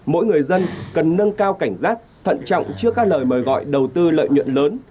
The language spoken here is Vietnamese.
mỗi người dân cần nâng cao cảnh giác thận trọng trước các lời mời gọi đầu tư lợi nhuận lớn